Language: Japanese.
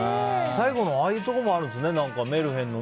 最後のああいうところもあるんですね。